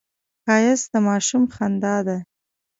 ښایست د ماشوم خندا ده